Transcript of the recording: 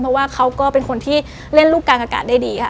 เพราะว่าเขาก็เป็นคนที่เล่นลูกกลางอากาศได้ดีค่ะ